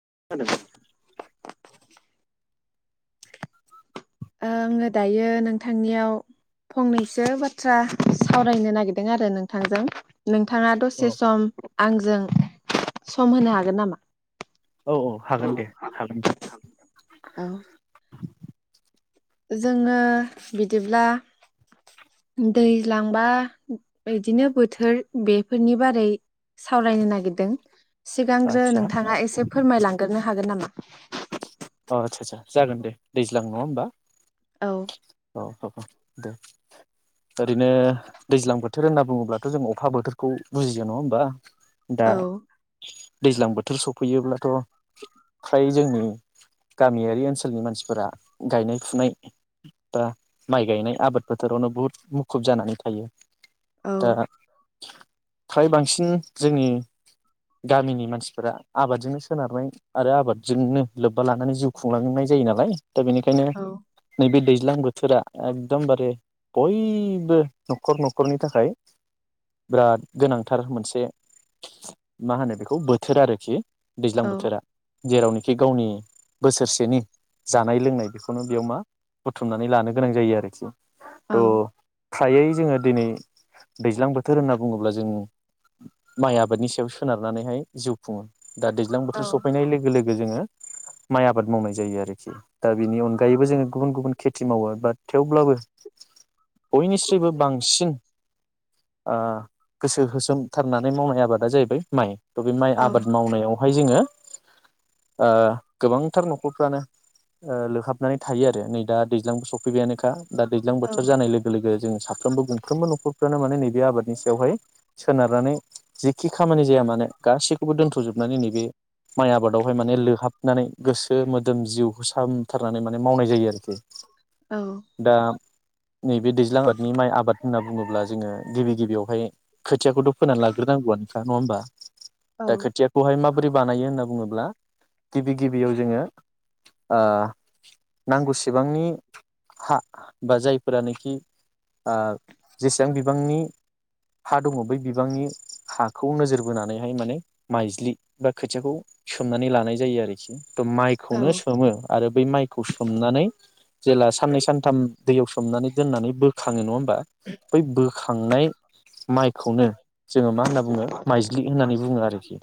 [unintelligible] आङो दायो नोंथांनियाव फंनैसो बाथ्रा सावरायनो नागिरदों आरो नोंथांजों। नोंथाङा औ दसे सम आंजों सम होनो हागोन नामा? औ औ हागोन दे हागोन नोंथां। औ जोङो बिदिब्ला दैज्लां बा बिदिनो बोथोर बेफोरनि बारै सावरायनो नागिरदों। सिगांग्रो आदसा नोंथाङा एसे फोरमायलांग्रोनो हागोन नामा? [inaudible] अ आच्छा आच्छा जागोन दे दैज्लां नङा होमबा? औ अ अ अ दे ओरैनो दैज्लां बोथोर होनना बुङोब्लाथ' जों अखा बोथोरखौ बुजियो नङा होमबा? दा औ दैज्लां बोथोर सफैयोब्लाथ' फ्राय जोंनि गामियारि ओनसोलनि मानसिफोरा गायनाय फुनाय बा माइ गायनाय आबाद फोथारावनो बहुत मुखुब जानानै थायो। औ दा फ्राय बांसिन जोंनि गामिनि मानसिफोरा आबादजोंनो सोनारनाय आरो आबादजोंनो लोब्बा लानानै जिउ खुंलांनाय जायो नालाय दा बेनिखायनो औ नैबे दै ज्लां बोथोरा एकदमबारे बयबो न'खर न'खरनि थाखाय बिराद गोनांथार मोनसे मा होनो बेखौ बोथोर आरोखि। औ दैज्लां बोथोरा। जेरावनिखि गावनि बोसोरसेनि जानाय लोंनाय बेखौनो बेयाव मा बुथुमनानै लानो गोनां जायो आरोखि। त। औ फ्रायै जोङो दिनै दैज्लां बोथोर होनना बुङोब्ला जों माइ आबादनि सायाव सोनारनानैहाय जिउ खुङो। दा दैज्लां औ बोथोर सफैनाय लोगो लोग बे जोङो। माइ आबाद मावनाय जायो आरोखि दा बेनि अनगायैबो जोङो गुबुन गुबुन खेथि मावो बाट थेवब्लाबो। बयनिस्रुबो बांसिन। आ गोसो होसोमथारनानै मावनाय आबादा जाहैबाय माइ - थ' बे माइ आबाद मावनायाव बेवहाय जोङो ओ गोबांथार न'खरफ्रानो लोहाबनानै थायो आरो नै दा दैज्लांबो सफैबायानोखा दा दैज्लां औ बोथोर जानाय लोगो लोगो जों। साफ्रोमबो गंफ्रोमबो न'खरफ्रानो माने नेै बे आबादनि सायावहाय सोनारनानै जि खि खामानि जाया माने गा बे दोन्थ'जोबनानै नैबे माइ आबादावहाय माने माने लोहाबनानै गोसो मोदोम जिउखौ सामथारनानै माने मावनाय जायो आरोखि। औ दा। नैबे दैज्लां आबादनि माइ आबाद होनाबो। बुङोब्ला जोङो गिबि गिबियावहाय। खोथियाखौथ' फोनानै लाग्रोनांगौआखा नङा होमबा दा खोथियाखौहाय मा बोरै बानायो होनना बुङोब्ला गिबि गिबियाव जोङो ओ नांगौसेबांनि हा बा जायफोरानोखि ओ जेसेबां बिबांनि हा दङ बै बिबांनि हाखौ नोजोर बोनानैहाय माने माइज्लि बा खोथियाखौ स सोमनानै लानाय जायो आरोखि। औ माइखौनो सोमो आरो बै माइखौ सोमनानै जेला साननै सानथाम दैयाव। हमनानै दोननानै बोखाङो नङा होम बा बै बो खांनाय माइखौनो। जोङो मा होन्ना बुङो माइज्लि होननानै बुङो आरोखि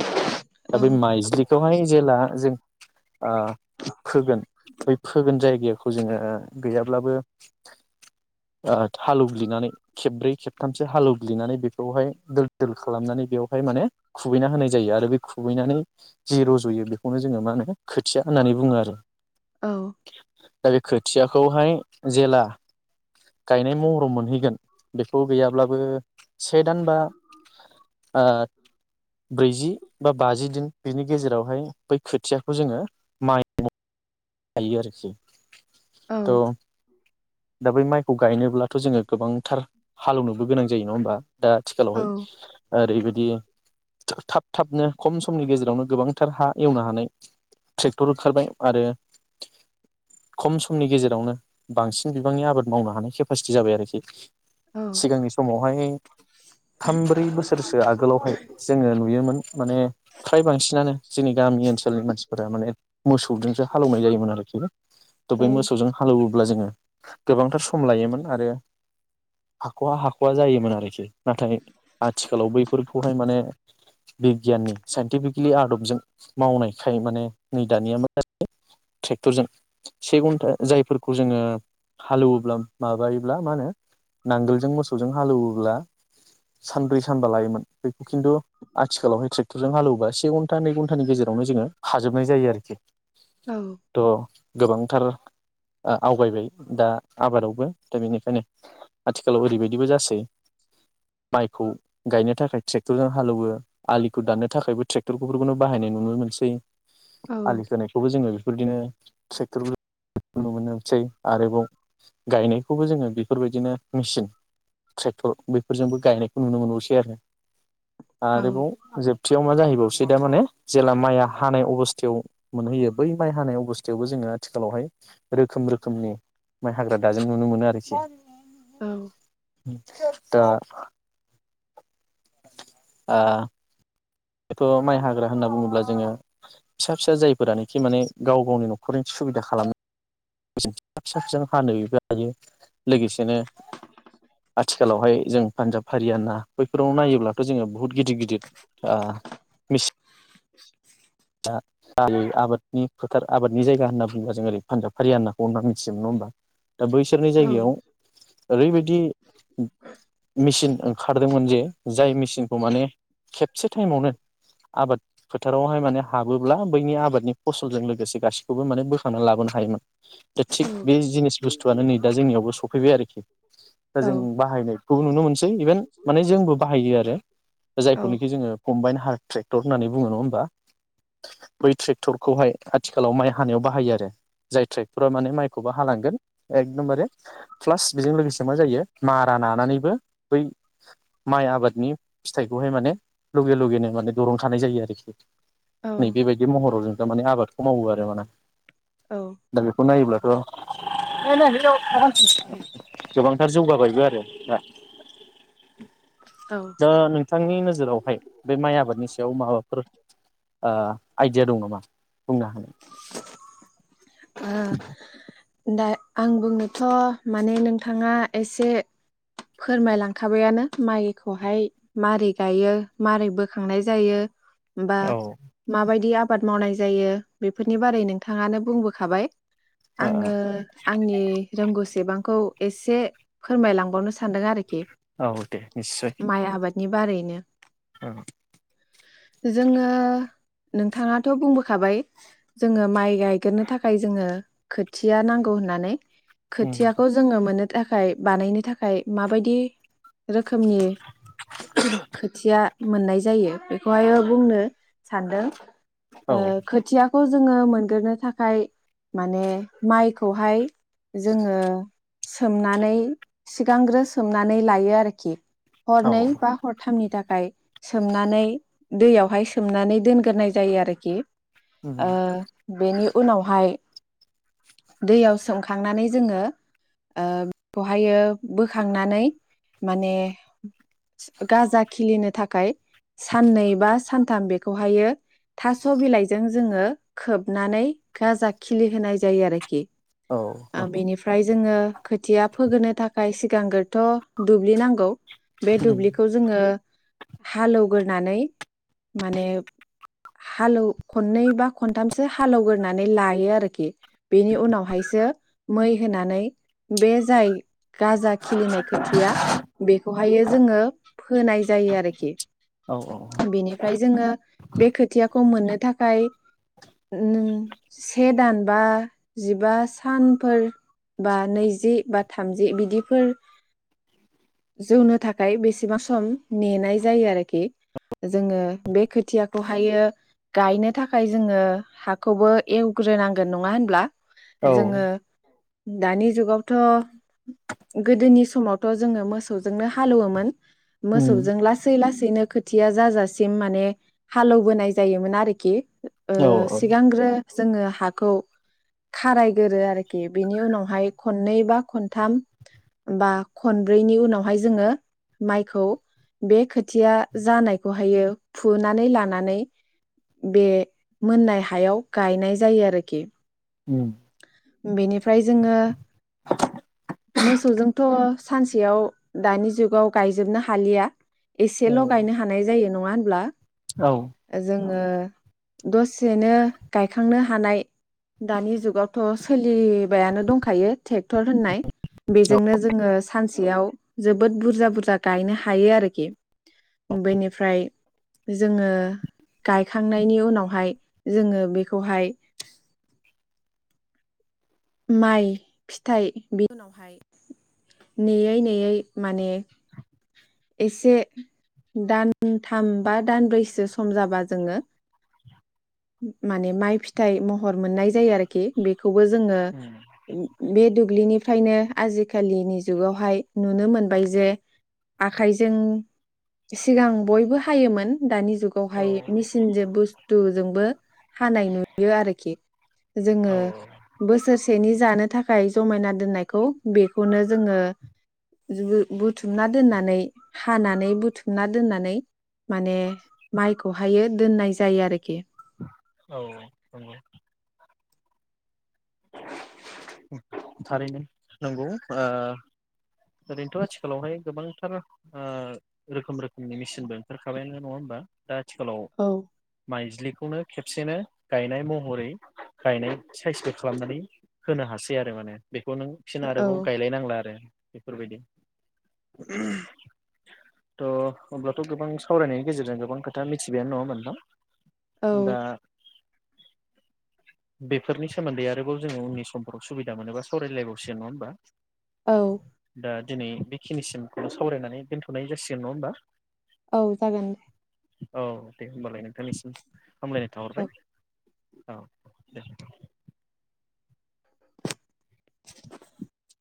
दा बेै माइज्लिक बेवहाय जेब्ला जों आ फोगोन बै फोगोन जा जायगाखौ जोङो गैयाब्लाबो ओ हालौवग्लिनानै खेबब्रै खेबथामसो हालौवग्लिनानै बेखौहाय दोल दोल खालामनानै बेयावहाय माने खुबैना होनाय जायो आरो बे खुबैनानै जि रज'यो बेखौनो जोङो मा होनो खोथिया होननानै बुङो आरो खोथियाखौहाय जेला गायनाय महराव मोनहैगोन बेखौ गैयाब्लाबो से दान बा ओ ब्रैजि बा बाजि दिन। बिनि गेजेरावहाय बै खोथियाखौ जोङो माइ गायो आरोखि। औ थ' दा बै माइखौ गायनोब्लाथ' जोङो गोबांथार हालेवनोबो गोनां जायो नङा होमबा? दा आथिखालावहाय औ ओरैबायदि बिदि थाब थाबनो खम समनि गेजेरावनो गोबांथार हा एवनो हानाय ट्रेक्टर ओंखारबाय आरो खम समनि गेजेरावनो बांसिन बिबांनि आबाद मावनो हानाय केपासिटि जाबाय आरोखि। औ सिगांनि समावहाय थाम ब्रै बोसोरसो आगोलावहाय जोङो नुयोमोन माने फ्राय बांसिनानो जोंनि गामि ओनसोलनि मानसिफोरा माने मोसौजोंसो हालौवनाय जायोमोन। बे मोसौजों हालौवो। ब्ला जोङो गोबांथार सम लायोमोन आरो हाख'आ हाख'आ जायोमोन आरोखि नाथाय आथिखालाव बैफोरखौहाय माने बिगियाननि साइन्टिफिकेलि आदबजों मावनायखाय माने नै दानिया [unintelligible] ट्रेक्टरजों से घन्टा जायफोरखौ जोङो हालेवोब्ला माबायोब्ला मा होनो नांगोलजों मोसौजों हालेवोब्ला सानब्रै सानबा लायोमोन। बेखौ खिन्थु आथिखालावहाय ट्रेक्टरजों हालौबा से घन्टा नै घन्टानि गेजेरावनो जोङो हाजोबनाय जायो आरोखि। औ। थ' गोबांथार ओ आवगायबाय दा आबादावबो दा बेनिखायनो आथिखालाव ओरैबायदिबो जासै माइखौ गायनो थाखाय ट्रेक्टरजों हालेवो आलिखौ दाननो थाखायबो ट्रेक्टरफोरखौनो बाहायनाय नुनो मोनसै। आलि खोनायखौबो जोङो बेफोरदिनो ट्रेक्टरबो नुनो मोनसै आरोबाव गायनायखौबो जोङो बेफोरबायदिनो मेसिन ट्रेक्टर बेफोरजोंबो गायनायखौ नुनो मोनोसै आरो। आरोबाव जोबथियाव मा जाहैबावसो दा माने जेला माइआ हानाय अबस्थायाव मोनहैयो बै माइ हानाय अबस्थायावबो जोङो आथिखालावहाय रोखोम रोखोमनि माइ हाग्रा दाजेम नुनो मोनो आरोखि। [unintelligible] दा आ बेथ' माइ हाग्रा होनना बुङोब्ला जोङो फिसा फिसा जायफोरानाखि माने गाव गावनि न'खरनि सुबिदा खालामनो फिसा फिसा हानोबो हायो लोगोसेनो आथिखालावहाय जों पान्जाब हारियाना बैफोराव नायोब्लाथ' जोङो बहुद गिदिर गिदिर आ मिस [inaudible] दा दालि आबादनि थार आबादनि जायगा होनना बुङोबा जों ओरै पान्जाब हारियानाखौ होनना मिथियोन नङा होमबा? दा बैसोरनि जायगायाव ओरैबायदि मेचिन ओंखारदोंमोन जे जाय मेचिनखौ माने खेबसे टाइमावनो आबाद फोथारावहाय माने हाबोब्ला बैनि आबादनि फसलजों लोगोसे गाससिखौबो माने बोखांना लाबोनो हायोमोन। दा थिग बे जिनिस बुस्थुआनो नै दा जोंनियावबो सफैबाय आरोखि दा जों बाहायनायखौबो नुनो मोनसै इभेन माने जोंबो बाहायो आरो दा जायखौनोखि जोङो कम्बाइन हा ट्रेक्टर होननानै बुङो नङा होमबा? बै ट्रेक्टरखौहाय आथिखालाव माइ हानायाव बाहायो आरो जाय ट्रेक्टरा माने माइखौबो हालांगोन एकदमबारे प्लास बेजों लोगोसे मा जायो मारा ना नानैबो बै माइ आबादनि फिथाइखौहाय माने लगे लगेनो माने बरन खानाय जायो आरोखि। नै बेबायदि महराव जों थारमाने आबादखौ मावो आरो ना दा बेखौ नायोब्ला [unintelligible] गोबांथार जौगाबायबो आरो दा दा नोंथांनि नोजोरावहाय बे माइ आबादनि सायाव माबाफोर आह आइडिया दं नामा बुंनो हानाय ओ दा आं बुंनोथ' माने नोंथाङा एसे फोरमायलांखाबायानो माइखौहाय मारै गायो मारै बोखांनाय जायो बा औ माबायदि आब बाद मावनाय जायो बेफोरनि बारै नोंथाङानो बुंबो खाबाय ओ आङो आंनि रोंगौसेबांखौ एसे फोरमायलांबावनो सानदों आरो औ दे निस्सय नि बारैनो ओ जोङो नोंथाङाथ' बुंबोखाबाय जोङो माइ गायगोरनो था खाय जोङो खोथिया नांगौ होननानै। उम खोथियाखौ जोङो मोनो थाखाय बानायनो थाखाय माबायदि रोखोमनि खोथिया मोननाय जायो बेखौहायो बुंनो सानदों औ ओ खोथियाखौ जोङो मोनगोरनो थाखाय माने माइखौहाय जोङो सोमनानै सिगांग्रो सोमनानै लायो आरोखि औ हरनै बा हरथामनि था आइ सोमनानै दैयावहाय सोमनानै दोनग्रोनाय जायो आरोखि ओ बेनि उनावहाय दैयाव सोमखांनानै जोङो ओ बहायो बोखांनानै माने गाजा खिलिनो थाखाय साननै बा सानथाम बेखौहायो थास' बिलाइजों जोङो खोबनानै गाजा खिलि होनाय जायो आरोखि औ ओ बेनिफ्राय जोङो खोथिया फोगोनो थाखाय सिगांग्रोथ' दुब्लि नांगौ बे उम दुब्लिखौ जोङो हालौ गोर नानै माने हालौ खननै बा खनथामसो हालौ गोर नानै ला बे आरोखि बेनि उनावहायसो मै होनानै बे जाय गाजा खिलिनाय खोथिया बेखौहायो जोङो फोनाय जायो आरोखि औ बेनिफ्राय जोङो बे खोथिया खौ मोननो थाखाय नों से दान बा जिबा सानफोर बा नैजि बा थामजि बिदिफोर जौनो थाखाय बेसेबा सम नेनाय जायो आरोखि जोङो बे खोथियाखौहायो गायनो थाखाय जोङो हाखौबो एवग्रोनांगोन नङा होनब्ला उम जोङो दानि जुगावथ' गोदोनि समावथ' जोङो मोसौजोंनो हालौवोमोन । मोसौजों लासै लासै थैनो खोथिया जाजासिम माने हालौबोनाय जायोमोन आरोखि ओ औ सिगांग्रो ओ हाखौ खारायगोरो आरो खि बिनि उनावहाय खननै बा खनथाम बा खनब्रैनि उनावहाय जोङो माइखौ बे खोथिया जानायखौहायो फुनानै लानानै बे मोननाय हायाव गायनाय जायो आरो खि उम बेनिफ्राय जोङो मोसौजोंथ सानसेयाव दानि जुगाव गायजोबनो हालिया एसेल गायनो हानाय जायो नं ङा होनोमब्ला औ ङो दसेनो गायखांनो हानाय दानि जु गावथ' सोलिबायानो दंखायो ट्रेक्टर होननाय औ नंगौ बेजोंनो जोङो सानसेयाव जोबोद बुरजा बुरजा गायनो हायो आरोखि बेनिफ्राय जोङो गायखांनायनि उनावहाय जोङो बेखौहाय माइ फिथाइ बेनि उनावहाय नेयै नेयै माने एसे दानथाम बा दानब्रैसो सम जाबा जोङो माने माइ फिथाइ महर मोननाय जायो आरोखि बेखौबो जोङो बे दुब्लिनिफ्रायनो आजिखालिनि जुगावहाय नुनो मोनबाय जे आखाइजों सिगां बयबो हायोमोन दानि जुगावहाय मेसिन जों बुस थु जोंबो हानाय नुयो आरो खि जोङो बोसोर सेनि जानो थाखाय जमायना दोननायखौ बेखौनो जोङो जु बुथुमना दोननानै हानानै बुथुमना दोननानै माने माइखौहाय दोननाय जायो आरोखि । औ औ थारैनो नंगौ ओ ओरैनोथ' आथिखालावहाय गोबांथार ओ रोखोम रोखोमनि मेसिनबो ओंखार खाबायानो नङा होमबा दा आथिखालाव औ माइज्लिखौनो खेबसेनो गायनाय महरै गायनाय सायसथ' खालामनानै होनो हासै आरो माने बेखौ नों फिन औ आरोबाव गायलायनांला आरो बेफोरबायदि थ' अब्लाथ' गोबां सावरायनायनि गेजेरजों गोबां खोथा मिथिबायानो नङा नोंथां औ । दा बेफोरनि सोमोन्दै आरोबाव जोङो उननि समफोराव सुबिदा मोनोबा सावराय लायबावसिगोन नङा होमबा औ । दा दिनै बे खिनिसिमखौनो सावरायनानै दोनथ'नाय जासिगोन नङा होनोमबा ‌। औ जागोन दे । औ दे होमबालाय नोंथांनिसिम। हामलायनाय औ। थाहरबाय। औ दे। [unintelligible]